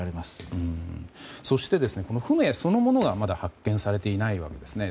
そして、船そのものがまだ発見されていないですね。